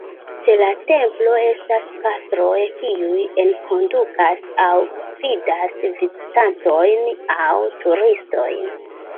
Ĉe la templo estas pastroj, kiuj enkondukas aŭ gvidas vizitantojn aŭ turistojn.